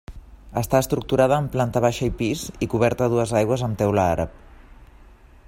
Està estructurada en planta baixa i pis i coberta a dues aigües amb teula àrab.